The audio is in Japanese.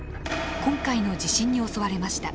今回の地震に襲われました。